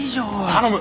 頼む！